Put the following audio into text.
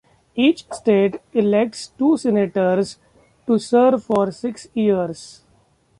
Each state elects two senators to serve for six years.